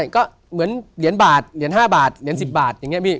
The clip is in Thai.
ก็เหมือนเหรียญบาทเหรียญ๕บาทเหรียญ๑๐บาทอย่างนี้พี่